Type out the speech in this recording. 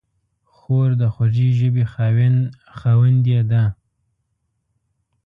خور د خوږې ژبې خاوندې ده.